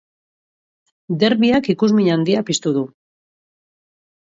Derbiak ikusmin handia piztu du.